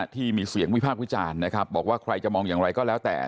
ที่มีเสียงวิพากษ์วิจารณ์นะครับบอกว่าใครจะมองอย่างไรก็แล้วแต่